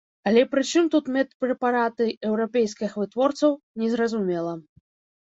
Але прычым тут медпрэпараты еўрапейскіх вытворцаў, незразумела.